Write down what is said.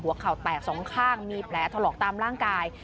เข่าแตกสองข้างมีแผลถลอกตามร่างกาย